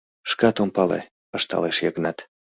— Шкат ом пале, — ышталеш Йыгнат.